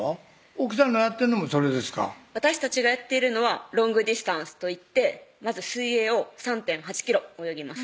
奥さんのやってんのもそれですか私たちがやっているのはロングディスタンスといってまず水泳を３．８ｋｍ泳ぎます